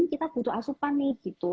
kita butuh asupan nih